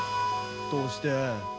どうして？